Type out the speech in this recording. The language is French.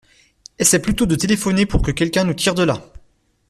Essaie plutôt de téléphoner pour que quelqu’un nous tire de là!